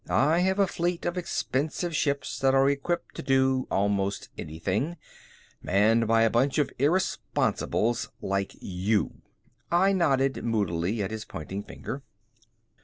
I have a fleet of expensive ships that are equipped to do almost anything manned by a bunch of irresponsibles like you." I nodded moodily at his pointing finger.